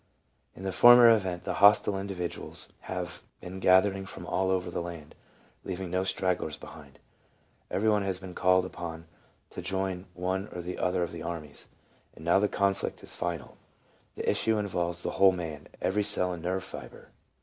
In the former event, the hostile individ uals have been gathering from all over the land, leaving no stragglers behind. Every one has been called upon to join one or the other of the armies, and now the conflict is final : the issue involves the whole man, every cell and nerve fibre.